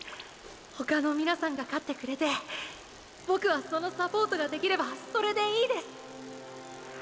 他の皆さんが勝ってくれてボクはそのサポートができればそれでいいです。